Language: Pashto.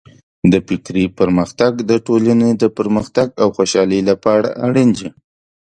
د فکري پرمختګ د ټولنې د پرمختګ او خوشحالۍ لپاره اړین دی.